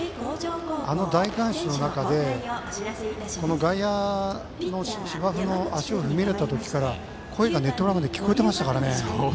あの大観衆の中で外野の芝生に足を踏み入れた時から声がネット裏まで聞こえてましたからね。